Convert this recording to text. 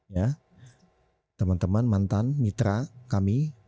ya teman teman mantan mitra kami